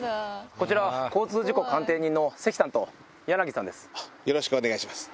こちらは交通事故鑑定人の関さんと柳さんです。